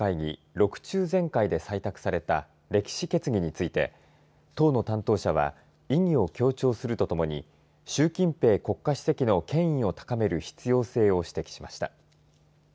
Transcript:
６中全会で採択された歴史決議について党の担当者は意義を強調するとともに習近平国家主席の権威を高める必要性を指摘しました。